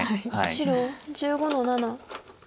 白１５の七。